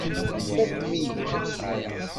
Tfakem-iyi-tt.